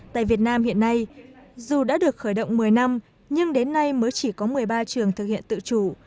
tại việt nam hiện nay dù đã được khởi động một mươi năm nhưng đến nay mới chỉ có một mươi ba trường thực hiện tự chủ